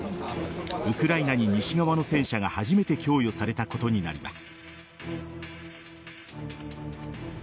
ウクライナに西側の戦車が初めて供与されたことになります。